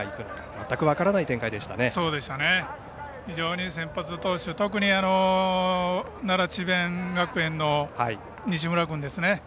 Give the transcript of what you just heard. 非常に、先発投手特に奈良智弁学園の西村君ですね。